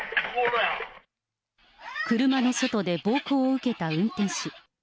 車の外で暴行を受けた運転手。